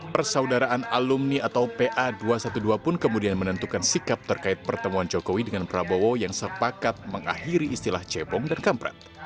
persaudaraan alumni atau pa dua ratus dua belas pun kemudian menentukan sikap terkait pertemuan jokowi dengan prabowo yang sepakat mengakhiri istilah cebong dan kampret